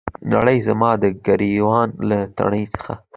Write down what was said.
نړۍ زما د ګریوان له تڼۍ څخه